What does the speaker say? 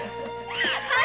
はい！